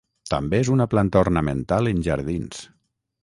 També és una planta ornamental en jardins.